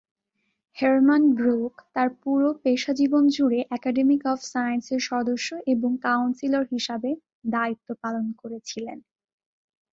Hermann Brook তার পুরো পেশাজীবন জুড়ে একাডেমি অফ সায়েন্সের সদস্য এবং কাউন্সিলর হিসাবে দায়িত্ব পালন করেছিলেন।